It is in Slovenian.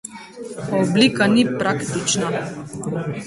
Oblika ni praktična.